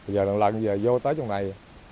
giờ lần lần giờ vô tới chỗ này